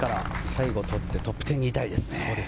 最後取ってトップ１０入りたいですね。